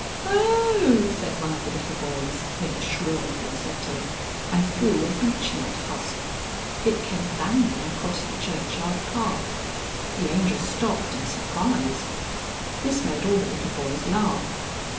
"Oh!" said one of the little boys, in a shrill falsetto, and threw a beech nut husk. It came bounding across the churchyard path. The Angel stopped in surprise. This made all the little boys laugh.